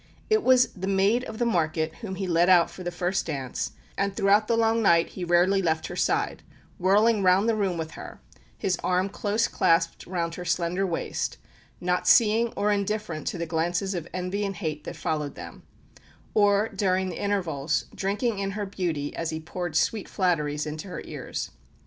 It was the maid of the market whom he led out for the first dance, and throughout the long night he rarely left her side, whirling round the room with her, his arm close clasped round her slender waist, not seeing or indifferent to the glances of envy and hate that followed them; or, during the intervals, drinking in her beauty as he poured sweet flatteries into her ears.